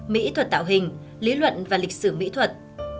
mỹ thuật tạo hình lý luận và lịch sử mỹ thuật